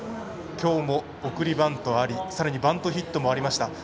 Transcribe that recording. きょうも送りバントありさらにバントヒットもありました。